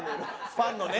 ファンのね。